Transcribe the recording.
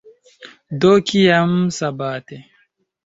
Do, kiam sabate?"